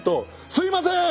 すいません！